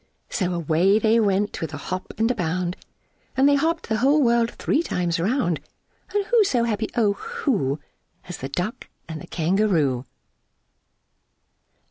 So away they went with a hop and a bound, And they hopped the whole world three times round; And who so happy, O who, As the Duck and the Kangaroo?